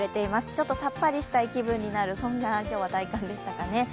ちょっとさっぱりしたい気分になる、そんな今日は体感でしたかね。